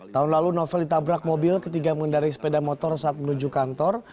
tahun lalu novel ditabrak mobil ketika mengendari sepeda motor saat menuju kantor